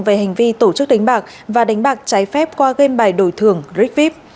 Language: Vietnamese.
về hành vi tổ chức đánh bạc và đánh bạc trái phép qua game bài đổi thưởng rick vip